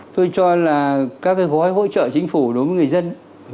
tôi cho là các gói hỗ trợ chính phủ đối với người dân